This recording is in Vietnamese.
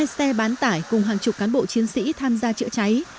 hai xe bán tải cùng hàng chục cán bộ chiến sĩ tham gia chữa cháy